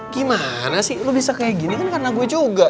gimana sih lo bisa kayak gini kan karena gue juga